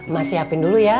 masih siapin dulu ya